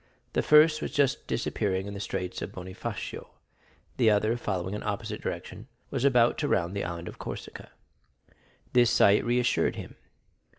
The first was just disappearing in the straits of Bonifacio; the other, following an opposite direction, was about to round the Island of Corsica. This sight reassured him.